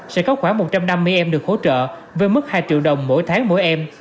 sẽ có khoảng một trăm năm mươi em được hỗ trợ với mức hai triệu đồng mỗi tháng mỗi em